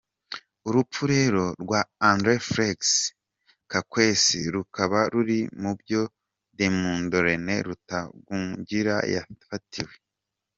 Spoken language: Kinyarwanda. Urupfu rero rwa Andrew Felix Kaweesi rukaba ruri mubyo demobu René Rutagungira yafatiwe.